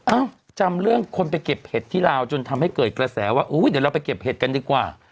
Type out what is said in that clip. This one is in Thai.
จำเรื่องคนไปเก็บเห็ดที่ลาวจนทำให้เกิดกระแสว่าอุ้ยเดี๋ยวเราไปเก็บเห็ดกันดีกว่า